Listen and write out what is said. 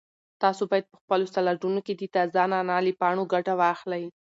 تاسو باید په خپلو سالاډونو کې د تازه نعناع له پاڼو ګټه واخلئ.